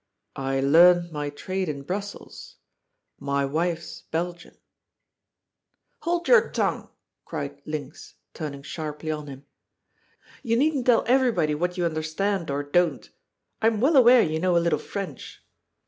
I learnt my trade in Brussels. My wife's Belgian." "Hold your tongue," cried Linx, turning sharply on him. " You needn't tell everybody what you understand or don't. I am well aware you know a little French."